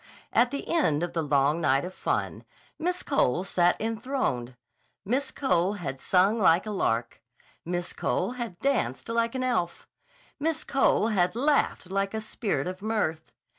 At the end of the long night of fun, Miss Cole sat enthroned. Miss Cole had sung like a lark. Miss Cole had danced like an elf. Miss Cole had laughed like a spirit of mirth.